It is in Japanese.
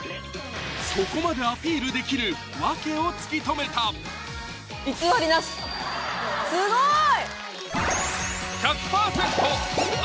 そこまでアピールできる訳を突き止めたスゴい！